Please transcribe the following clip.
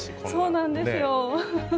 そうなんですよ。